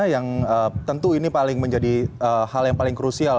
yang tentu ini hal yang paling krusial